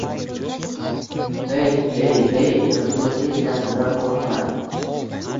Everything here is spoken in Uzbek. Hey, hey, hey... iloji bo'lsa, hech narsadan qo'rqma...